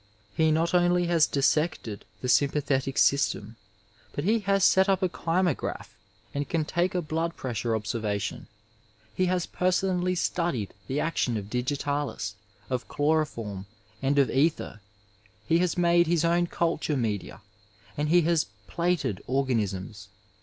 He not only has dissected the sympathetic system, but he has set up a kymograph and can take a blood pressure observation, he has personally studied the action of digitalis, of chloro form and of ether, he has made his own culture media and he has plated '' organisms.